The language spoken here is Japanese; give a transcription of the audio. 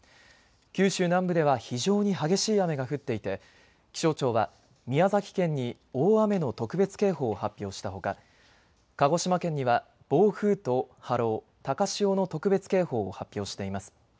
九州南部では非常に激しい雨が降っていて気象庁は宮崎県に大雨の特別警報を発表したほか鹿児島県には暴風と波浪、高潮の特別警報を発表しています。